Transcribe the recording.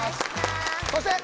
そして。